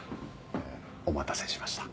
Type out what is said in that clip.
お待たせしました。